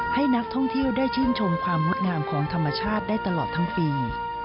ให้นักท่องเที่ยวได้ชื่นชมความงดงามของธรรมชาติได้ตลอดทั้งปี